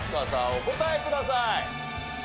お答えください。